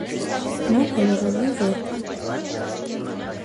Նա բոլորովին որբ է…